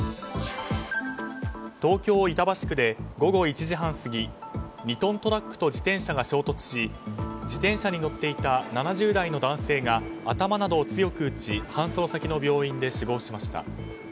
東京・板橋区で午後１時半過ぎ２トントラックと自転車が衝突し自転車に乗っていた７０代の男性が頭などを強く打ち搬送先の病院で死亡しました。